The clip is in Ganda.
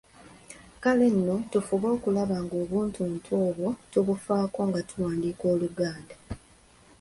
Kale nno tufube okulaba ng’obuntuntu obwo tubufaako nga tuwandiika Oluganda.